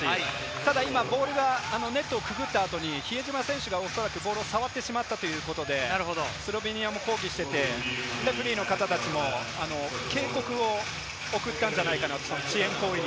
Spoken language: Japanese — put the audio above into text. ただボールがネットをくぐった後に比江島選手がボールを触ってしまったということで、スロベニアが抗議していて、レフェリーの方たちも警告を送ったんじゃないかな？